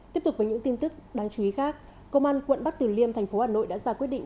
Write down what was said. tiếp tục với những tin tức đáng chú ý khác công an quận bắc tử liêm tp hcm đã ra quyết định